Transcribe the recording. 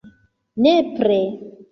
Nepre.